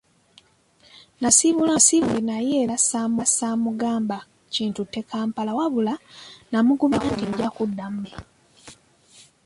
Nasiibula mmange naye era ssaamugamba kintutte Kampala wabula namugumya nti nja kudda mbalabe.